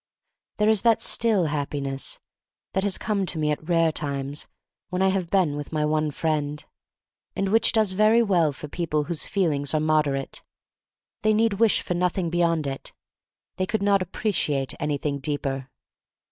There is that still happiness that has come to me at rare times when I have been with my one friend — and which does very well for people whose feel ings are moderate. They need wish for nothing beyond it. They could not appreciate anything deeper.